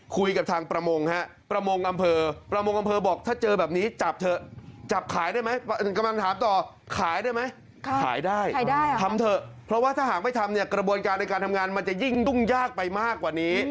กระบวนการในการทำงานมันจะยิ่งรุ่งยากไปมากกว่านี้